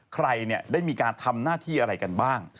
ใครเนี่ยได้มีการทำหน้าที่อะไรกันบ้างนะครับ